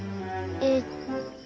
えっと。